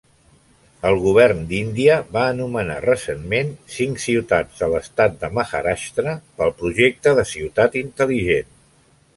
El govern d'Índia va anomenar recentment cinc ciutats de l'estat de Maharashtra pel projecte de ciutat intel·ligent.